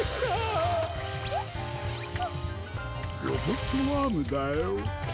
ロボットアームだよ。